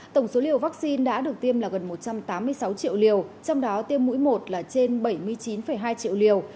tổng số liều vaccine đã được tiêm là gần một trăm tám mươi sáu triệu liều trong đó tiêm mũi một là trên bảy mươi chín hai triệu liều